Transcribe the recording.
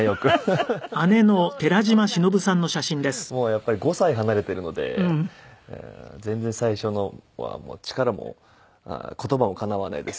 やっぱり５歳離れているので全然最初の方は力も言葉もかなわないですし。